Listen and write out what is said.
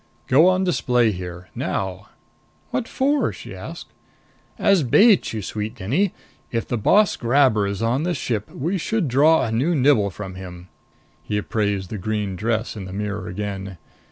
"Go on display here, now." "What for?" she asked. "As bait, you sweet ninny! If the boss grabber is on this ship, we should draw a new nibble from him." He appraised the green dress in the mirror again.